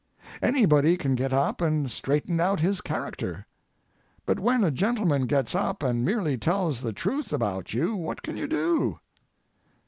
Anybody can get up and straighten out his character. But when a gentleman gets up and merely tells the truth about you, what can you do?